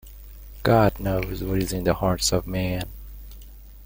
God knows what is in the hearts of men.